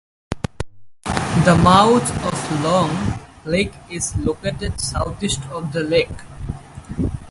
The mouth of Long Lake is located southeast of the lake.